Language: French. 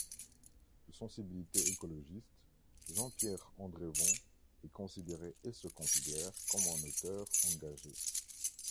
De sensibilité écologiste, Jean-Pierre Andrevon est considéré, et se considère comme un auteur engagé.